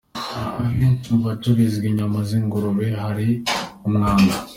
Ahenshi mu hacururizwa inyama z’ingurube hari umwanda.